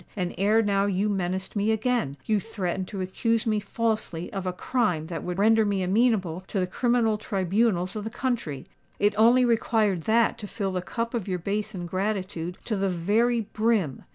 And ere now you menaced me again: you threatened to accuse me falsely of a crime that would render me amenable to the criminal tribunals of the country. It only required that to fill the cup of your base ingratitude to the very brim.